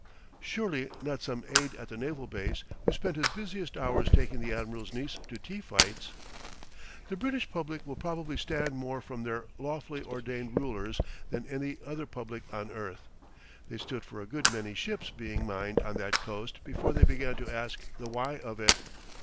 Surely not some aide at the naval base who spent his busiest hours taking the admiral's niece to tea fights! The British public will probably stand more from their lawfully ordained rulers than any other public on earth. They stood for a good many ships being mined on that coast before they began to ask the why of it.